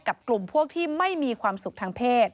กับกลุ่มพวกที่ไม่มีความสุขทางเพศ